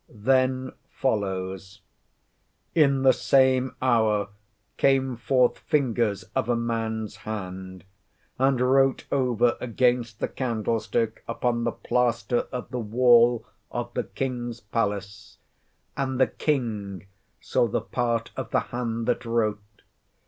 Then follows— "In the same hour came forth fingers of a man's hand, and wrote over against the candlestick upon the plaster of the wall of the king's palace; and the king saw the part of the hand that wrote.